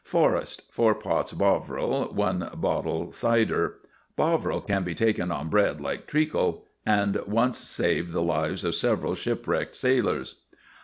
FORREST. Four pots Bovril, one bottle cider. (Bovril can be taken on bread like treacle, and once saved the lives of several shipwrecked sailors.)